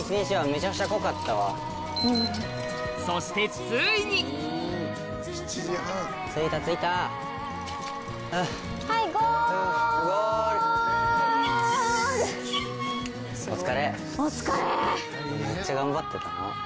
めっちゃ頑張ってたな。